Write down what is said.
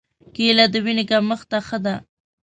کېله د وینې کمښت ته ښه ده.